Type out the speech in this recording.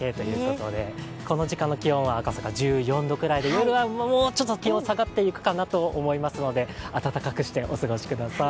この時間の気温は、赤坂１４度くらいで、夜はもうちょっと気温が下がっていくかなと思いますので暖かくしてお過ごしください。